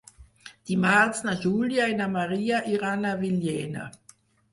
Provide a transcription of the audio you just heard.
Dimarts na Júlia i na Maria iran a Villena.